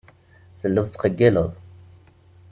Telliḍ tettqeyyileḍ.